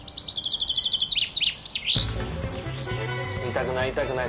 痛くない痛くない。